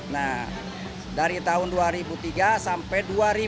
nah dari tahun dua ribu tiga sampai dua ribu dua puluh